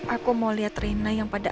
aku mau liat reina yang pada